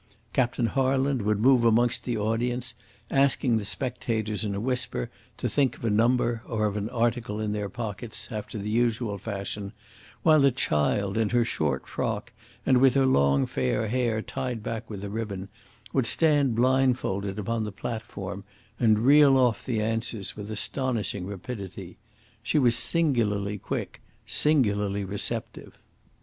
Captain Harland would move amongst the audience, asking the spectators in a whisper to think of a number or of an article in their pockets, after the usual fashion, while the child, in her short frock, with her long fair hair tied back with a ribbon, would stand blind folded upon the platform and reel off the answers with astonishing rapidity. She was singularly quick, singularly receptive.